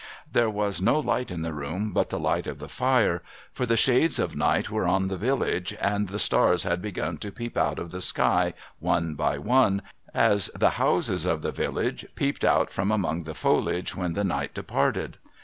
There was no light in the room but the light of the fire ; for the shades of night were on the village, and the stars had begun to peep out of the sky one by one, as the houses of the village peeped out from among the foliage when the night departed.